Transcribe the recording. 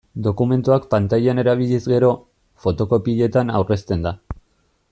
Dokumentuak pantailan erabiliz gero, fotokopietan aurrezten da.